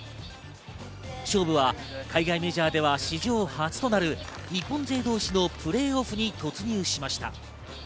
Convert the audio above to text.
勝負は海外メジャーでは史上初となる日本勢同士のプレーオフに突入しました。